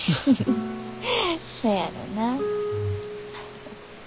そやろな。